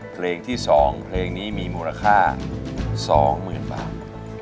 เพลงที่๒เพลงนี้มีมูลค่า๒๐๐๐บาท